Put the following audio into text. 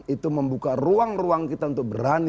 itu membuka ruang ruang kita untuk berani